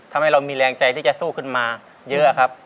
ทำให้เรามีแรงใจที่จะสู้ขึ้นมาเยอะครับ